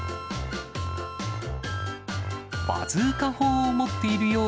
バズーカ砲を持っているよう